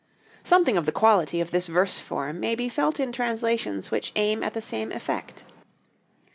Something of the quality of this verse form may be felt in translations which aim at the same effect.